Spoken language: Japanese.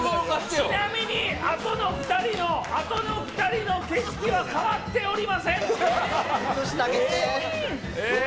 ちなみに、あとの２人の、あとの２人の景色は変わっておりません。